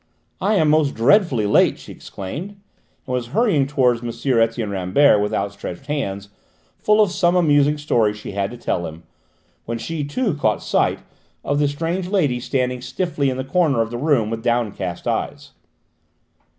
"I am most dreadfully late!" she exclaimed, and was hurrying towards M. Etienne Rambert with outstretched hands, full of some amusing story she had to tell him, when she too caught sight of the strange lady standing stiffly in the corner of the room, with downcast eyes.